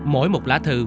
mỗi một lá thư